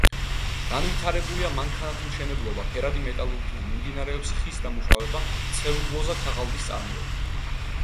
განვითარებულია მანქანათმშენებლობა, ფერადი მეტალურგია; მიმდინარეობს ხის დამუშავება, ცელულოზა-ქაღალდის წარმოება.